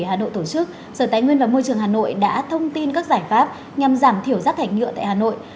hà nội tổ chức sở tài nguyên và môi trường hà nội đã thông tin các giải pháp nhằm giảm thiểu rác thải nhựa tại hà nội